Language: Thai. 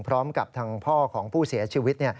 พร้อมกับทางพ่อของผู้เสียชีวิต